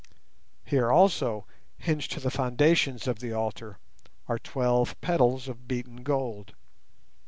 Here also, hinged to the foundations of the altar, are twelve petals of beaten gold.